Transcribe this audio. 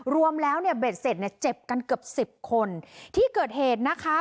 รวมแล้วเนี้ยเบศศก์เจ็บกันเกือบสิบคนที่เกิดเหตุนะคะ